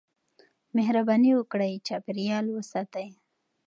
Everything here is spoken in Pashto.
مهرباني وکړئ چاپېريال وساتئ.